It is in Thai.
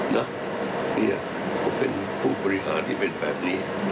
นะเนี่ยผมเป็นผู้บริหารที่เป็นแบบนี้